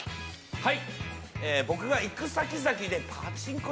はい。